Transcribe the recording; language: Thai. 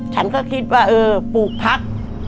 ฉันก็คิดว่าเออปลูกพัก